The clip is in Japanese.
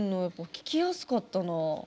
聞きやすかった。